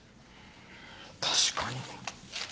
確かに。